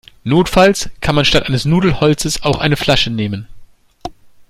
Notfalls kann man statt eines Nudelholzes auch eine Flasche nehmen.